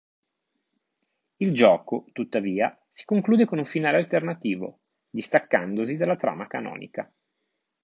Il gioco, tuttavia, si conclude con un finale alternativo, distaccandosi dalla trama canonica.